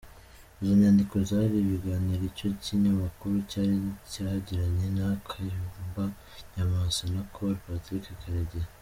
Izo nyandiko zari ibiganiro icyo kinyamakuru cyagiranye na Kayumba Nyamasa na Col Patrick Karegeya.